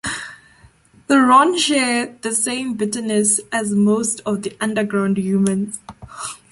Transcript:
The Ron share the same bitterness as most of the Underground humans.